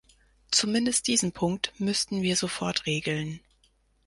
Zumindest diesen Punkt müssten wir sofort regeln.